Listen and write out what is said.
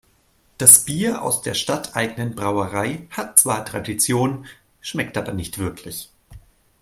Das Bier aus der stadteigenen Brauerei hat zwar Tradition, schmeckt aber nicht wirklich.